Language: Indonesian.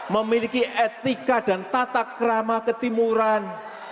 memiliki etika dan tatakrama ketimuran